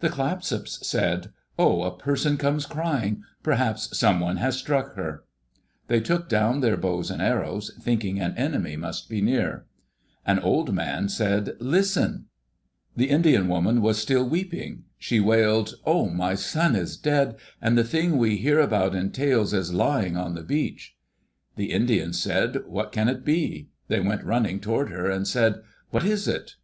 The Clatsops said, " Oh, a person comes crying I Perhaps someone has struck her I'* They took down their bows and arrows, thinking an enemy must be near. An old man said, "Listen I The Indian woman was still weeping. She wailed, " Oh, my son is dead, and the Thing we hear about in tales is lying on the beach 1" The Indians said, "What can it be?*' They went run ning toward her, and said, "What is it?"